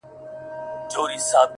• ورته وگورې په مــــــيـــنـــه ـ